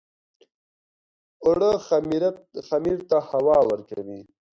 اوړه خمیر ته هوا ورکوي